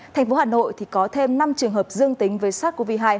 thành phố hà nội có thêm năm trường hợp dương tính với sars cov hai